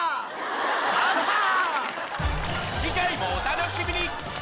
次回もお楽しみに！